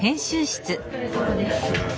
お疲れさまです。